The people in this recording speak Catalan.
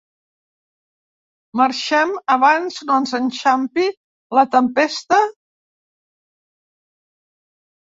Marxem abans no ens enxampi la tempesta?